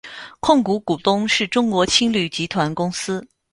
控股股东是中国青旅集团公司。